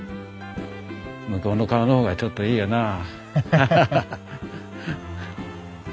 向こうの顔の方がちょっといいよなあ。